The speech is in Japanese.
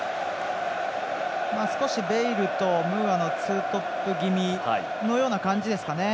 少しベイルとムーアのツートップ気味のような感じですかね。